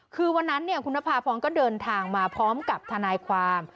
คือวันนั้นคุณนภาพรก็เดินทางมาพร้อมกับทนายความ